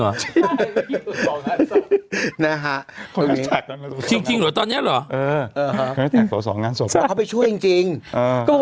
หรอนะคะชิคกี้พายตอนนี้เหรอส่วนสองงานมันช่วยจริงกว่า